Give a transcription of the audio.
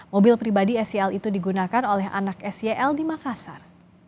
mobil pribadi sel itu digunakan oleh anak sel di makassar